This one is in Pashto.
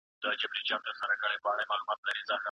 هغې په ډېر درناوي زما له مشورې څخه مننه وکړه.